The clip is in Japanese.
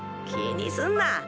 気にすんな。